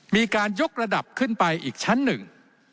มีการยกระดับขึ้นไปอีกชั้นหนึ่ง